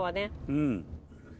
うん。